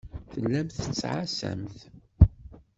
Tellamt tettɛassamt.